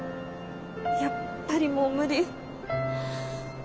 やっぱりもう無理。